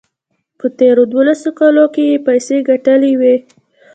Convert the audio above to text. په تېرو دولسو کالو کې یې پیسې ګټلې وې.